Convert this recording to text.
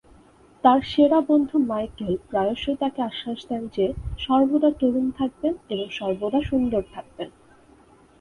তার সেরা বন্ধু মাইকেল প্রায়শই তাকে আশ্বাস দেন যে তিনি "সর্বদা তরুণ থাকবেন, এবং সর্বদা সুন্দর থাকবেন।"